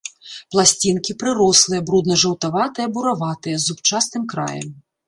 Пласцінкі прырослыя, брудна-жаўтаватыя, бураватыя, з зубчастым краем.